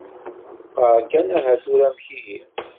Teqqar kan aha tura amek ihi.